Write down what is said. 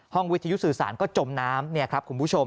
ห้องวิทยุสื่อสารก็จมน้ำ